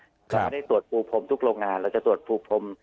เราจะได้ตรวจภูมิภงทุกโรงงานเราจะตรวจภูมิภง